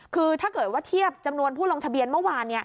คือถ้าเกิดว่าเทียบจำนวนผู้ลงทะเบียนเมื่อวาน